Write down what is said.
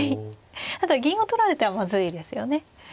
ただ銀を取られてはまずいですよね。